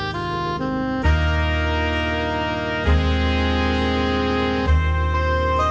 เชื่อกับพิเศษที่กลับมา